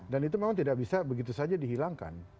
dan itu memang tidak bisa begitu saja dihilangkan